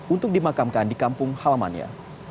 untuk dimakamkan di kampung halamannya